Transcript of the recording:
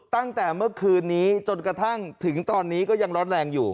ตั้งแต่เมื่อคืนนี้จนกระทั่งถึงตอนนี้ก็ยังร้อนแรงอยู่